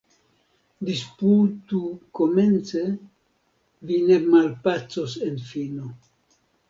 Disputu komence — vi ne malpacos en fino.